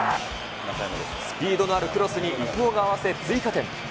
スピードのあるクロスに伊東が合わせ、追加点。